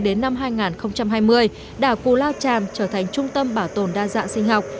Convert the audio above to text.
đến năm hai nghìn hai mươi đảo cù lao chàm trở thành trung tâm bảo tồn đa dạng sinh học